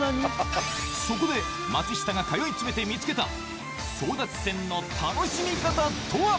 そこで松下が通い詰めて見つけた争奪戦の楽しみ方とは？